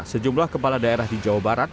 sejumlah kepala daerah di jawa barat